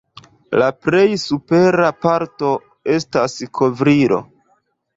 La plej supera parto estas kovrilo.